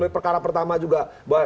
perkara pertama juga